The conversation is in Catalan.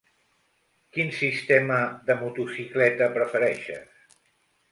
Quin sistema de motocicleta prefereixes?